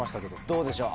どうでしょう？